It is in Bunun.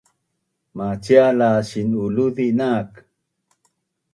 macial la sin’uluzi nak